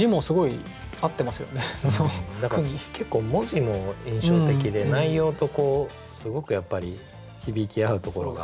何か結構文字も印象的で内容とこうすごくやっぱり響き合うところが。